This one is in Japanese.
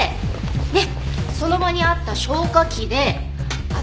でその場にあった消火器で頭を殴った。